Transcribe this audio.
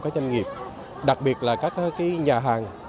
các doanh nghiệp đặc biệt là các nhà hàng